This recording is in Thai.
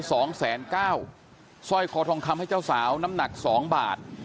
สร้อยคอทองคำให้เจ้าสาน้ำหนัก๒บาท